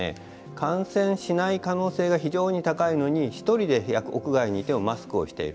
感染しない可能性が非常に高いのに１人で屋外にいてもマスクをしている。